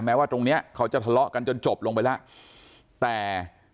ว่าตรงเนี้ยเขาจะทะเลาะกันจนจบลงไปแล้วแต่